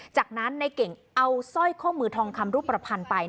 จากนั้นในเก่งเอาสร้อยข้อมือทองคำรูปประพันธ์ไป